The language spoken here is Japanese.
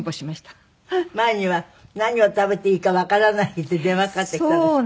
前には何を食べていいかわからないって電話かかってきたんですって？